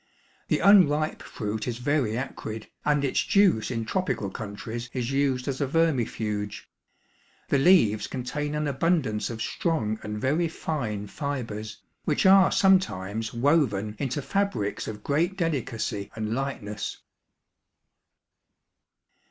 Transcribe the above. The unripe fruit is very acrid, and its juice in tropical countries is used as a vermifuge. The leaves contain an abundance of strong and very fine fibers, which are sometimes woven into fabrics of great delicacy and lightness.